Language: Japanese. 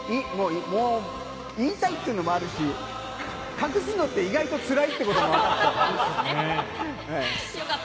言いたいというのもあるし、隠すのって意外と、つらいということが分かって。